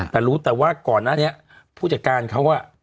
แต่รู้แต่ว่าก่อนหน้านี้ผู้จัดการเขา